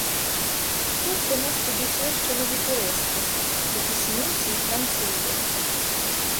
Тут до нас підійшли ще нові туристи: якісь німці й французи.